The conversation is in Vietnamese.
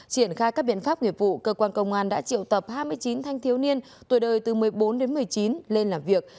triển khai các biện pháp nghiệp vụ cơ quan công an đã triệu tập hai mươi chín thanh thiếu niên tuổi đời từ một mươi bốn đến một mươi chín lên làm việc